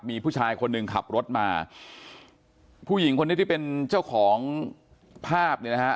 มีผู้ชายคนหนึ่งขับรถมาผู้หญิงคนนี้ที่เป็นเจ้าของภาพเนี่ยนะฮะ